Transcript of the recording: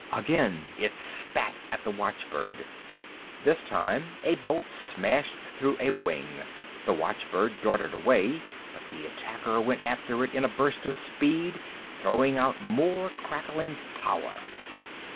Again it spat at the watchbird. This time, a bolt smashed through a wing, the watchbird darted away, but the attacker went after it in a burst of speed, throwing out more crackling power.